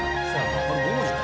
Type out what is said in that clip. これ５文字か？